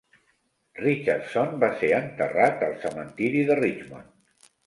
Richardson va ser enterrat al cementiri de Richmond.